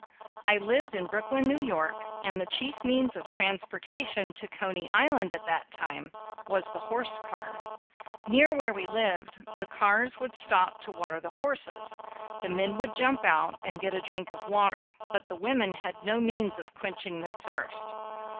I lived in Brooklyn, New York, and the chief means of transportation to Coney Island at that time was the horse car. Near where we lived the 9 WHY I BELIEVE IN POVERTY cars would stop to water the horses, the men would jump out and get a drink of water, but the women had no means of quenching their thirst.